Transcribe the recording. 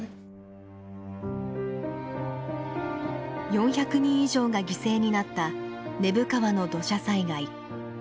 ４００人以上が犠牲になった根府川の土砂災害。